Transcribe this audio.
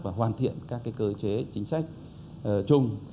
và hoàn thiện các cơ chế chính sách chung